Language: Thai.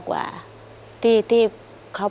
ผมคิดว่าสงสารแกครับ